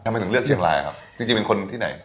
ทำไมถึงเลือกเชียงรายครับจริงเป็นคนที่ไหน